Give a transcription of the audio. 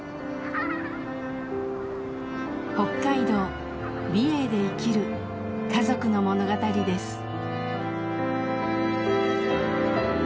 北海道・美瑛で生きる家族の物語です。